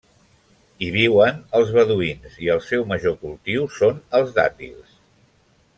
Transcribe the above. Hi viuen els beduïns i el seu major cultiu són els dàtils.